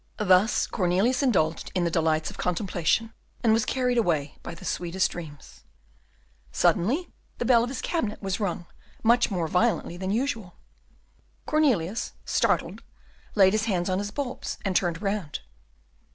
Thus Cornelius indulged in the delights of contemplation, and was carried away by the sweetest dreams. Suddenly the bell of his cabinet was rung much more violently than usual. Cornelius, startled, laid his hands on his bulbs, and turned round.